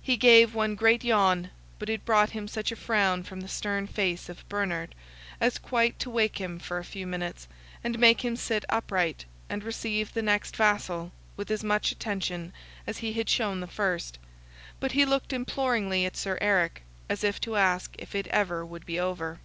He gave one great yawn, but it brought him such a frown from the stern face of Bernard, as quite to wake him for a few minutes, and make him sit upright, and receive the next vassal with as much attention as he had shown the first, but he looked imploringly at Sir Eric, as if to ask if it ever would be over.